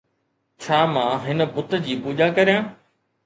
ڇا مان هن بت جي پوڄا ڪريان؟